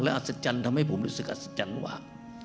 อัศจรรย์ทำให้ผมรู้สึกอัศจรรย์หว่า